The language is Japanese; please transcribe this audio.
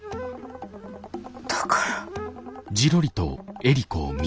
だから。